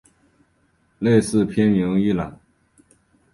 类似片名一览